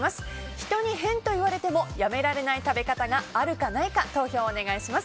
人に変と言われてもやめられない食べ方があるか、ないか投票をお願いします。